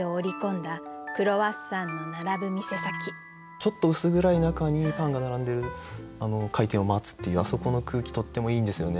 ちょっと薄暗い中にパンが並んでる開店を待つっていうあそこの空気とってもいいんですよね。